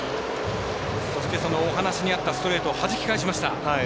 お話にあったストレートをはじき返しました。